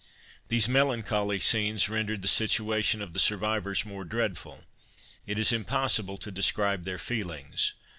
These melancholy scenes rendered the situation of the survivors more dreadful; it is impossible to describe their feelings.